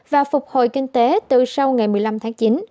và phục hồi kinh tế từ sau ngày một mươi năm tháng chín